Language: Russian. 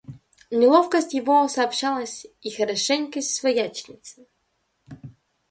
Неловкость его сообщалась и хорошенькой свояченице.